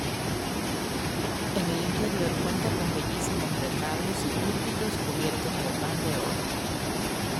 En el interior, cuenta con bellísimos retablos y púlpitos cubiertos con pan de oro.